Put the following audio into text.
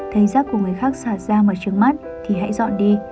thấy rác của người khác xả ra ngoài trước mắt thì hãy dọn đi